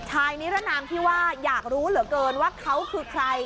นิรนามที่ว่าอยากรู้เหลือเกินว่าเขาคือใคร